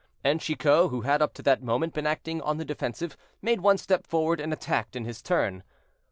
And Chicot, who had up to that moment been acting on the defensive, made one step forward and attacked in his turn.